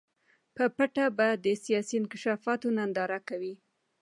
په پټه به د سیاسي انکشافاتو ننداره کوي.